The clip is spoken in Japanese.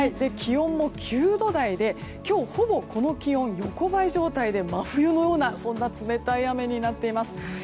気温も９度台で今日ほぼこの気温横ばい状態で、真冬のような冷たい雨になっています。